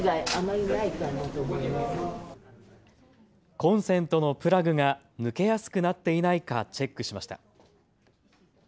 コンセントのプラグが抜けやすくなっていないかチェックしました。